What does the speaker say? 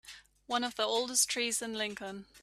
One of the oldest trees in Lincoln.